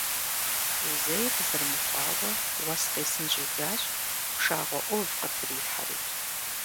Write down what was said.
Зэи къызэрымыхъуауэ уэс къесын щӀидзащ, пшагъуэ Ӏув къытрихьэри.